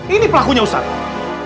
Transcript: ini pelakunya ustadz